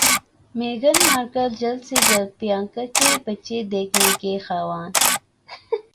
میگھن Markle جلد سے جلد پریانکا کے بچے دیکھنے کی خواہاں